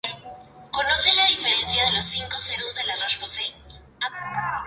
Puede ser utilizado para las flores cortadas, jardín o columnas.